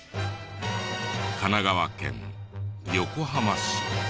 神奈川県横浜市。